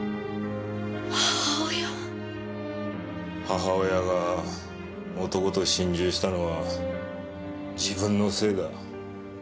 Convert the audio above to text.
母親が男と心中したのは自分のせいだ。